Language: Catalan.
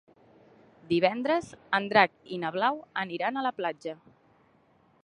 Divendres en Drac i na Blau aniran a la platja.